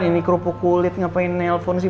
ini kerupuk kulit ngapain nelpon sih